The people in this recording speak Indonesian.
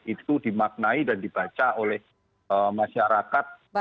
itu dimaknai dan dibaca oleh masyarakat